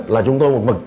là chúng tôi một mực